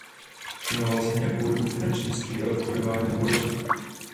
Věnoval se nějakou dobu finančnictví a obchodování na burze.